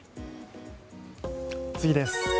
次です。